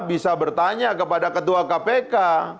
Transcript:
bisa bertanya kepada ketua kpk